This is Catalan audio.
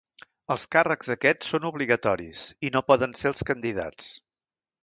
Els càrrecs aquests són obligatoris i no poden ser els candidats.